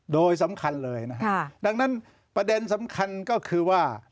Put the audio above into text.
โดยสำคัญเลยนะฮะดังนั้นประเด็นสำคัญก็คือว่า